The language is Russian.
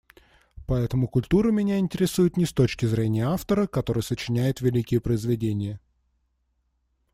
Поэтому культура меня интересует не с точки зрения автора, который сочиняет великие произведения.